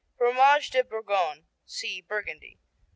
Fromage de Bourgogne see Burgundy.